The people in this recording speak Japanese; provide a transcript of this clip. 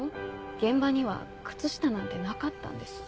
現場には靴下なんてなかったんです。